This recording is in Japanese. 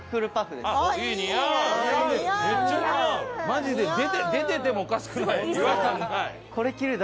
マジで出ててもおかしくない。